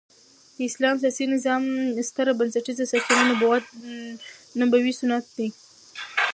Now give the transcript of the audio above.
د اسلام د سیاسي نظام ستره بنسټيزه سرچینه نبوي سنت دي.